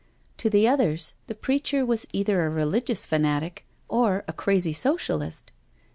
To the others the preacher was either a religious fanatic, or a crazy Socialist.